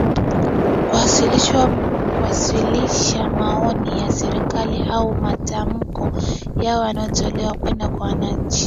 Kuwasilisha maoni ya serikali au matamko yao yanayotolewa kwenda kwa wananchi